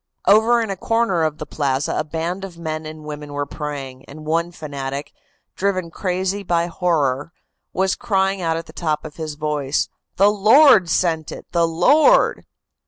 "Over in a corner of the plaza a band of men and women were praying, and one fanatic, driven crazy by horror, was crying out at the top of his voice: "'The Lord sent it, the Lord!